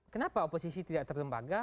kenapa oposisi tidak terlembaga